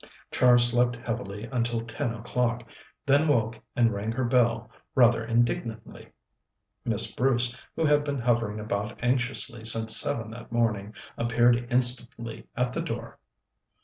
Char slept heavily until ten o'clock, then woke and rang her bell rather indignantly. Miss Bruce, who had been hovering about anxiously since seven that morning, appeared instantly at the door.